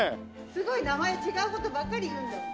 すごい名前違う事ばっかり言うんだもん。